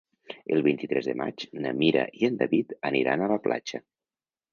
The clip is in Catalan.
El vint-i-tres de maig na Mira i en David aniran a la platja.